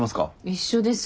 一緒です